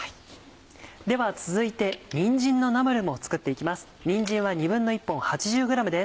では続いてにんじんのナムルも作っていきます。